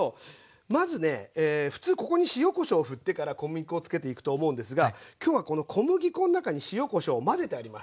まずね普通ここに塩こしょうふってから小麦粉をつけていくと思うんですが今日はこの小麦粉の中に塩こしょうを混ぜてあります。